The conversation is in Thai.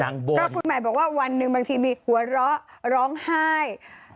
แล้วพี่ใหม่บอกว่าวันนึงบางทีมีหัวเราะร้องไห้